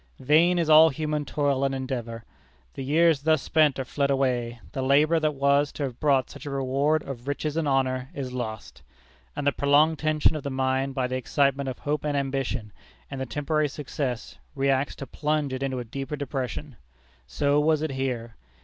Vain is all human toil and endeavor. The years thus spent are fled away; the labor that was to have brought such a reward of "riches and honor," is lost; and the prolonged tension of the mind by the excitement of hope and ambition, and the temporary success, reacts to plunge it into a deeper depression. So was it here.